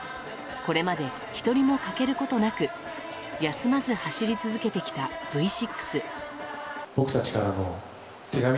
これまで１人も欠けることなく休まず走り続てきたＶ６。